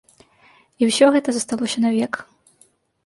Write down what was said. І ўсё гэта засталося навек.